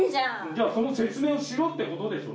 「じゃあその説明をしろってことでしょ！